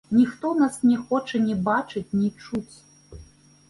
Ніхто нас не хоча ні бачыць, ні чуць.